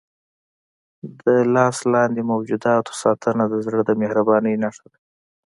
د لاس لاندې موجوداتو ساتنه د زړه د مهربانۍ نښه ده.